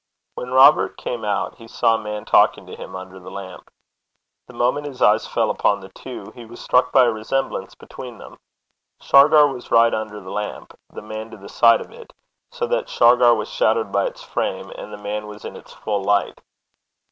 When Robert came out, he saw a man talking to him under the lamp. The moment his eyes fell upon the two, he was struck by a resemblance between them. Shargar was right under the lamp, the man to the side of it, so that Shargar was shadowed by its frame, and the man was in its full light.